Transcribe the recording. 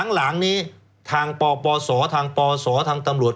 หลังนี้ทางปปศทางปศทางตำรวจ